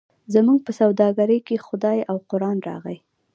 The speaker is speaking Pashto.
زموږ په سوداګرۍ کې خدای او قران راغی.